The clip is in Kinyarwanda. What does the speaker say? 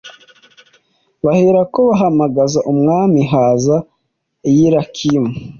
Baherako bahamagaza umwami haza Eliyakimu